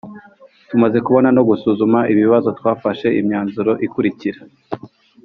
Tumaze kubona no gusuzuma ibibazo twafashe imyanzuro ikurikira